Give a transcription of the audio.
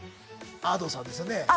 Ａｄｏさんです。